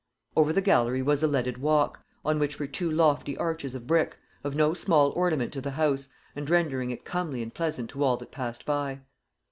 Over the gallery was a leaded walk, on which were two lofty arches of brick, 'of no small ornament to the house, and rendering it comely and pleasant to all that passed by.'